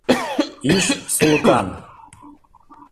Иш, сулыкан.